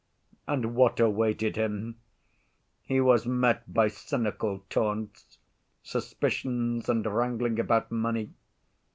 And what awaited him? He was met by cynical taunts, suspicions and wrangling about money.